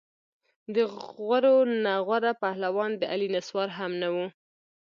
د غورو نه غوره پهلوان د علي نسوار هم نه وو.